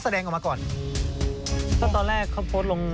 ตอนแรกเขาโพสต์ลง